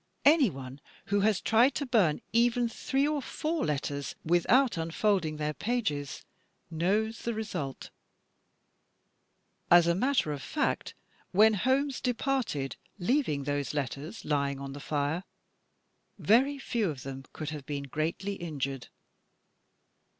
Anyone who has tried to bum even three or four letters without unfolding their pages knows the result. As a matter of fact, when Holmes departed, leaving those letters lying on the fire, very few of them could have been greatly injured.